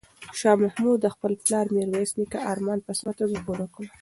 شاه محمود د خپل پلار میرویس نیکه ارمان په سمه توګه پوره کړ.